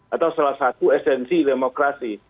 atau salah satu esensi demokrasi